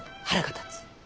腹が立つ。